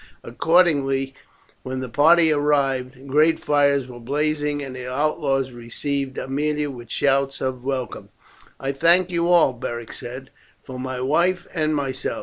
Accordingly when the party arrived great fires were blazing, and the outlaws received Aemilia with shouts of welcome. "I thank you all," Beric said, "for my wife and myself.